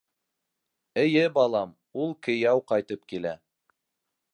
Эйе, балам, ул, кейәү ҡайтып килә.